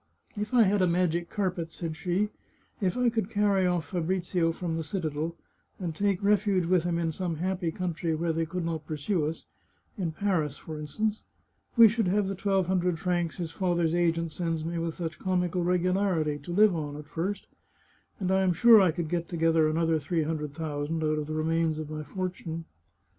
" If I had a magic carpet," said she, " if I could carry off Fabrizio from the citadel, and take refuge with him in some happy country where they could not pursue us — in Paris, for in stance— we should have the twelve hundred francs his father's agent sends me with such comical regularity, to live on, at first ; and I am sure I could get together another three hundred thousand, out of the remnants of my fortune."